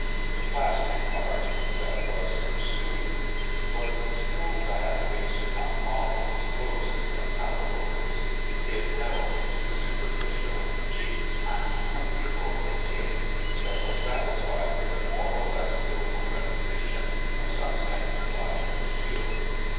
The plastic art that was pursued was still that based upon models, poses and allegories; it held to the superficial, cheap and comfortable metier that was satisfied with the more or less skillful repetition of some sanctified appeal.